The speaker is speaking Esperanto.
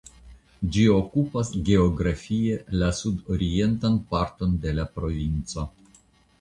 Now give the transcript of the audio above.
Ĝi okupas geografie la sudorientan parton de la provinco.